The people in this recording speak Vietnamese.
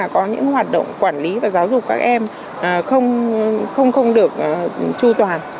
có những hoạt động quản lý và giáo dục các em không được tru toàn